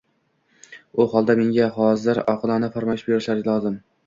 — u holda, mengá hozir oqilona farmoyish berishlari lozim.